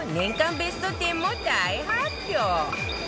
ベスト１０も大発表